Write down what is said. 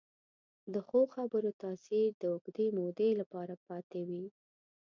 د ښو خبرو تاثیر د اوږدې مودې لپاره پاتې وي.